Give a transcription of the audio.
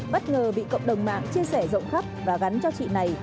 bất ngờ bị cộng đồng mạng chia sẻ rộng khắp và gắn cho chị này